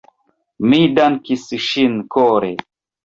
Mi dankis ŝin kore.